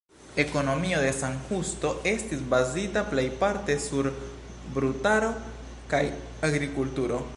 Ekonomio de San Justo estis bazita plejparte sur brutaro kaj agrikulturo.